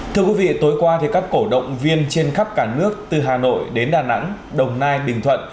thưa quý vị tối qua các cổ động viên trên khắp cả nước từ hà nội đến đà nẵng đồng nai bình thuận